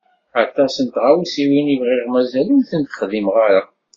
Aṭas n tɣawsiwin i bɣiɣ mazal ur tent-xdimeɣ ara.